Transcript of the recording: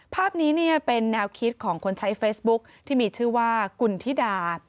ภาพนี้เป็นแนวคิดของคนใช้เฟซบุ๊คที่มีชื่อว่ากุณฑิดา